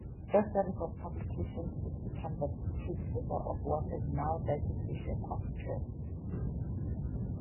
This series of publications would become the predecessor of what is now Dissertation Abstracts.